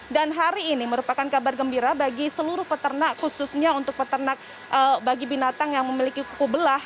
dan hari ini merupakan kabar gembira bagi seluruh peternak khususnya untuk peternak bagi binatang yang memiliki kuku belah